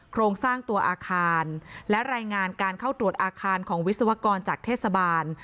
โครงสร้างตัวอาคารและรายงานการเข้าตรวจอาคารของวิศวกรจากเทศบาล